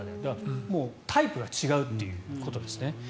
もうタイプが違うということですね。